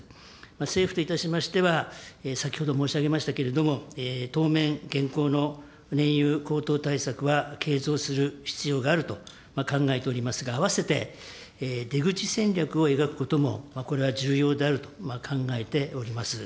政府といたしましては、先ほど申し上げましたけれども、当面、現行の燃油高騰対策はする必要はあると考えておりますが、あわせて出口戦略を描くこともこれは重要であると考えております。